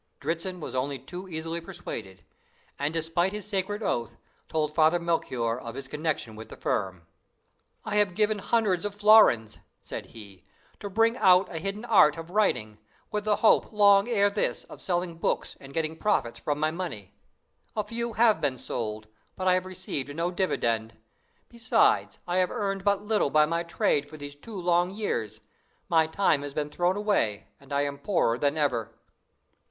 Dritzhn was only too easily persuaded, and, despite his sacred oath, told Father Melchoir of his connection with the firm. "I have given hundreds of florins," said he, "to bring out a hidden art of writing, with the hope long ere this of selling books and getting profits from my money. A few have been sold, but I have received no dividend. Besides, I have earned but little by my trade for these two long years; my time has been thrown away, and I am poorer than ever."